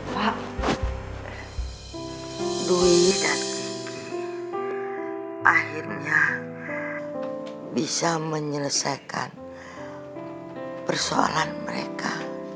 pak dwi dan akhirnya bisa menyelesaikan persoalan mereka